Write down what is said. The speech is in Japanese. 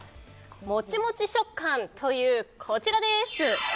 モチモチ食感というこちらです。